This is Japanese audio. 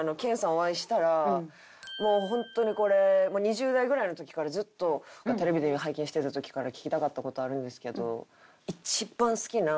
お会いしたらもうホントにこれ２０代ぐらいの時からずっとテレビで拝見してた時から聞きたかった事あるんですけど。